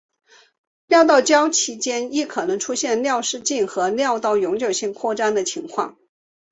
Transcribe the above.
尿道交期间亦可能出现尿失禁和尿道永久性扩张的情况。